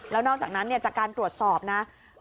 แล้วนอกจากนั้นจากการตรวจสอบนะ